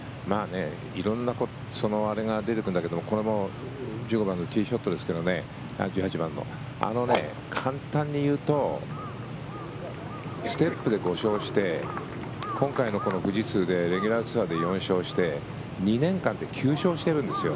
色々なあれが出てくるんだけどこれも１８番のティーショットですけどあの簡単に言うとステップで故障して今回の富士通でレギュラーツアーで４勝して２年間で９勝してるんですよ。